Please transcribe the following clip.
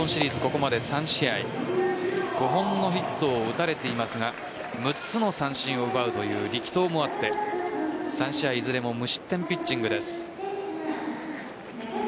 ここまで３試合５本のヒットを打たれていますが６つの三振を奪うという力投もあって３試合いずれも無失点ピッチングです。